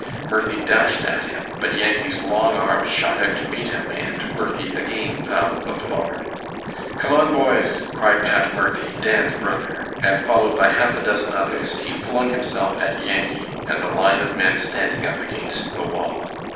Murphy dashed at him, but Yankee's long arm shot out to meet him, and Murphy again found the floor. "Come on, boys," cried Pat Murphy, Dan's brother, and followed by half a dozen others, he flung himself at Yankee and the line of men standing up against the wall.